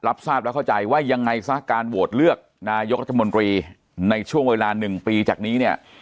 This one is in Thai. ทราบและเข้าใจว่ายังไงซะการโหวตเลือกนายกรัฐมนตรีในช่วงเวลา๑ปีจากนี้เนี่ย